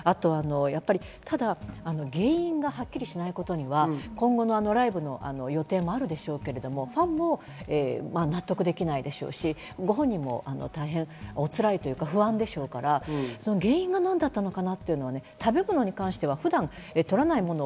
ただ原因がはっきりしないことには、今後のライブの予定もあるでしょうけども、ファンも納得できないでしょうし、ご本人も大変おつらいというか不安でしょうから、原因が何だったのかな？